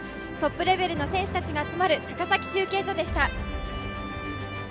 トップレベルの選手たちが集まる高崎中継所でした。